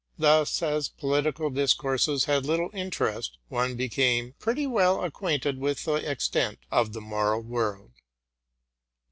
Thus, as political discourses had little interest, one became pretty well acquainted with the extent of the moral world.